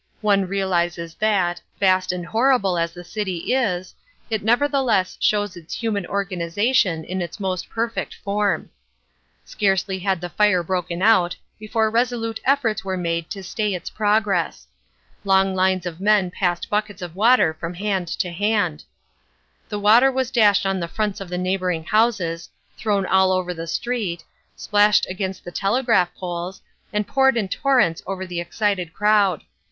One realises that, vast and horrible as the city is, it nevertheless shows its human organisation in its most perfect form. Scarcely had the fire broken out before resolute efforts were made to stay its progress. Long lines of men passed buckets of water from hand to hand. The water was dashed on the fronts of the neighbouring houses, thrown all over the street, splashed against the telegraph poles, and poured in torrents over the excited crowd.